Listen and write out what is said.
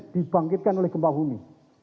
dibangkitkan oleh gempa bumi